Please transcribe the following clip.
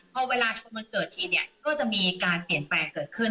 พอเวลามันเกิดทีเนี่ยก็จะมีการเปลี่ยนแปลงเกิดขึ้น